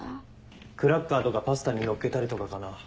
クラッカーとかパスタにのっけたりとかかな。